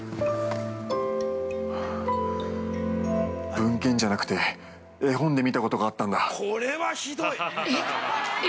文献じゃなくて絵本で見たことがあったんだ！